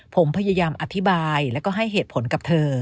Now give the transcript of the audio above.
ผมพยายามอธิบายแล้วก็ให้เหตุผลกับเธอ